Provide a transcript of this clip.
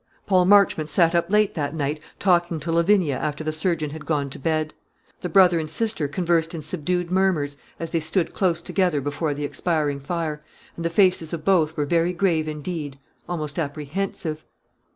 Paul Marchmont sat up late that night talking to Lavinia after the surgeon had gone to bed. The brother and sister conversed in subdued murmurs as they stood close together before the expiring fire, and the faces of both were very grave, indeed, almost apprehensive.